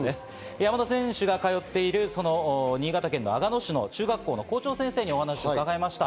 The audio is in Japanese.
山田選手が通っている新潟県の阿賀野市の中学校の校長先生にお話を伺いました。